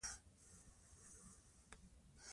د بیرغ درناوی د وطن درناوی دی.